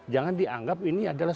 jangan dianggap ini adalah